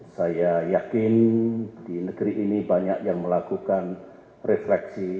saya yakin di negeri ini banyak yang melakukan refleksi